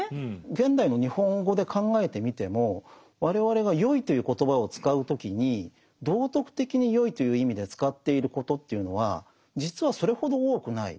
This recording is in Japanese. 現代の日本語で考えてみても我々が「よい」という言葉を使う時に道徳的に善いという意味で使っていることというのは実はそれほど多くない。